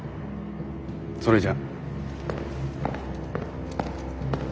それじゃ。